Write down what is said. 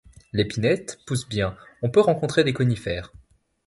L'épinette pousse bien, on peut rencontrer des conifères.